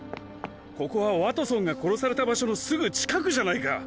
ここはワトソンが殺された場所のすぐ近くじゃないか！